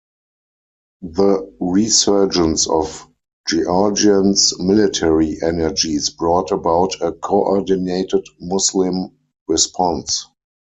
The resurgence of Georgians' military energies brought about a coordinated Muslim response.